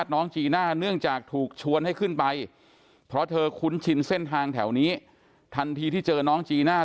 น้องจีน่าเนื่องจากถูกชวนให้ขึ้นไปเพราะเธอคุ้นชินเส้นทางแถวนี้ทันทีที่เจอน้องจีน่า